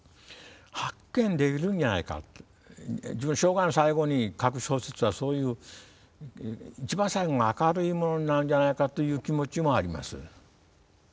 自分の生涯の最後に書く小説はそういう一番最後が明るいものになるんじゃないかという気持ちもあります。